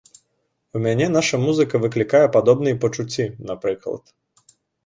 У мяне наша музыка выклікае падобныя пачуцці, напрыклад.